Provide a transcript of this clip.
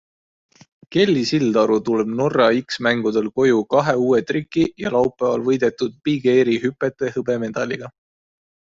Kelly Sildaru tuleb Norra X-mängudelt koju kahe uue triki ja laupäeval võidetud Big Airi hüpete hõbemedaliga.